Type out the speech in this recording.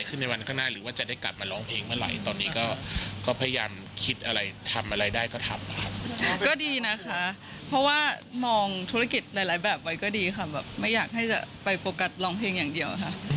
คือนอนดูทีวีอย่างเงี้ย